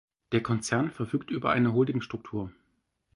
Der Konzern verfügt über eine Holdingstruktur.